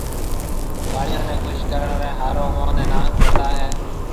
ٻاڙيون ني خوش ڪرڻ ري ۿارو اوئون ني نانگ بتاوي ھيَََ